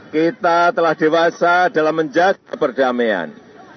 kita telah dewasa dalam menjaga perdamaian